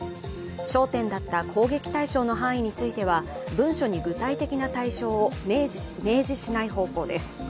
焦点だった攻撃対象の範囲については文書に具体的な対象を明示しない方向です。